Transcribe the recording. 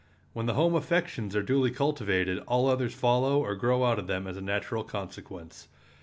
When the home affections are duly cultivated all others follow or grow out of them as a natural consequence.